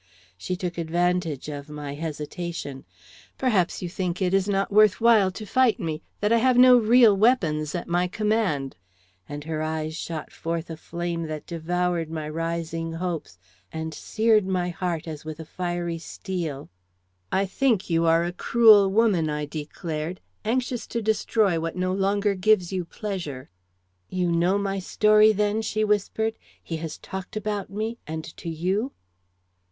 She took advantage of my hesitation. "Perhaps you think it is not worth while to fight me; that I have no real weapons at my command?" and her eyes shot forth a flame that devoured my rising hopes and seared my heart as with a fiery steel. "I think you are a cruel woman," I declared, "anxious to destroy what no longer gives you pleasure." "You know my story then?" she whispered. "He has talked about me, and to you?"